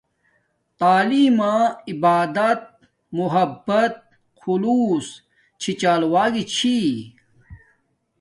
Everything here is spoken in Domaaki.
تعلیم ما عبادت محبت خلوص چھی چال و گی چھی